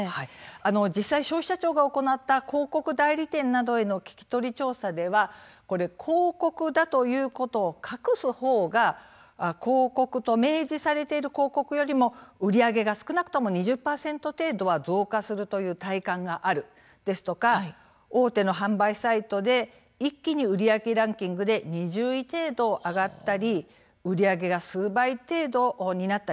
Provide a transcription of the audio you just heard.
実際消費者庁が行った広告代理店などへの聞き取り調査では広告だということを隠す方が広告と明示されている広告よりも売り上げが少なくとも２０％程度は増加するという体感があるですとか大手の販売サイトで一気に売り上げランキングで２０位程度上がったり売り上げが数倍程度になったりする。